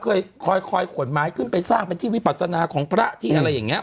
คอยขนไม้ขึ้นไปสร้างเป็นที่วิปัสนาของพระที่อะไรอย่างเงี้